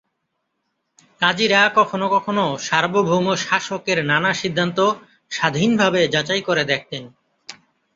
কাজীরা কখনও কখনও সার্বভৌম শাসকের নানা সিদ্ধান্ত স্বাধীনভাবে যাচাই করে দেখতেন।